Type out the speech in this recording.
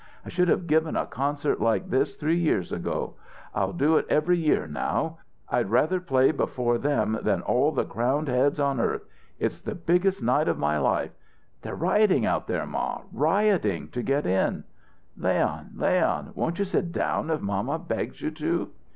I should have given a concert like this three years ago. I'll do it every year now. I'd rather play before them than all the crowned heads on earth. It's the biggest night of my life they're rioting out there, ma rioting to get in." "Leon, Leon, won't you sit down if mamma begs you to?"